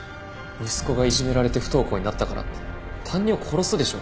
息子がいじめられて不登校になったからって担任を殺すでしょうか？